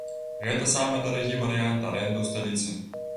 Гэта самы дарагі варыянт арэнды ў сталіцы.